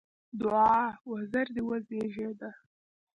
دوعا: وزر دې وزېږده!